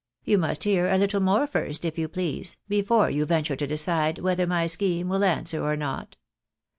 You must hear a little more first, if you please, before you venture to decide whether my scheme will answer or not.